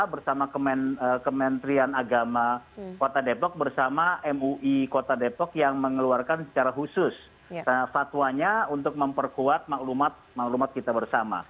bersama kementerian agama kota depok bersama mui kota depok yang mengeluarkan secara khusus fatwanya untuk memperkuat maklumat maklumat kita bersama